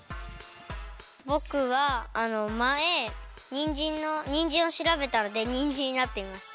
ぼくはあのまえにんじんのにんじんをしらべたのでにんじんになってみました。